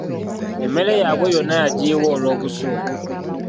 Emmere yaabwe yonna yagiyiwa olw’obusungu.